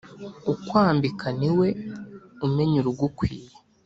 Ukwambika niwe umenya urugukwiye